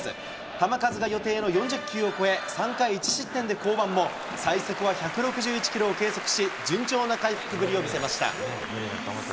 球数が予定の４０球を超え、３回１失点で降板も、最速は１６１キロを計測し、順調な回復ぶりを見せました。